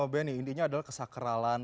benny intinya adalah kesakralan